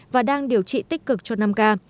và đang điều trị tích cực cho năm ca